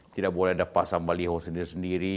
tidak boleh ada pasang baliho sendiri sendiri